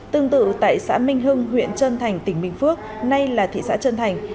tương tự tại xã minh hưng huyện trân thành tỉnh bình phước nay là thị xã trân thành